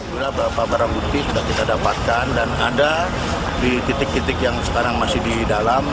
bila beberapa barang bukti sudah kita dapatkan dan ada di titik titik yang sekarang masih di dalam